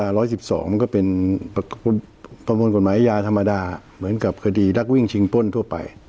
มันก็เป็นประมวลกฎหมายอาญาธรรมดาเหมือนกับคดีรักวิ่งชิงป้นทั่วไป